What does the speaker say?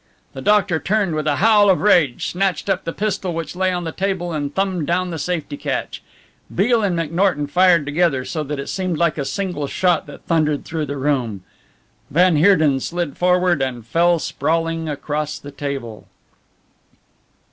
The doctor turned with a howl of rage, snatched up the pistol which lay on the table, and thumbed down the safety catch. Beale and McNorton fired together, so that it seemed like a single shot that thundered through the room. Van Heerden slid forward, and fell sprawling across the table.